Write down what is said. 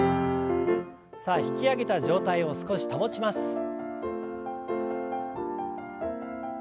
さあ引き上げた状態を少し保ちます。